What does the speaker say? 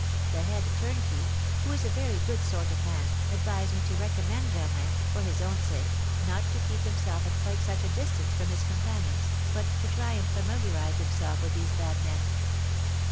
The head turnkey, who is a very good sort of man, advised me to recommend Germain, for his own sake, not to keep himself at quite such a distance from his companions, but to try and familiarise himself with these bad men.